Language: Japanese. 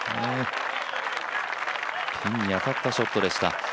ピンに当たったショットでした。